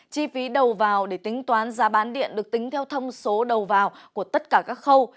chi phí đầu vào để tính toán giá bán điện được tính theo thông số đầu vào của tất cả các khâu